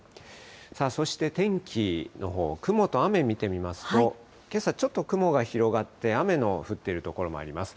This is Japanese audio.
さあ、そして天気のほう、雲と雨、見てみますと、けさ、ちょっと雲が広がって、雨の降っている所もあります。